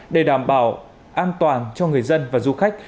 để đảm bảo an toàn cho người dân và du khách